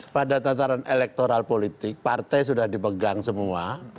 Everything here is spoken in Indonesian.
pada tataran elektoral politik partai sudah dipegang semua